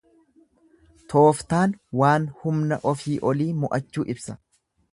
Tooftaan waan humna ofii olii mo'achuu ibsa.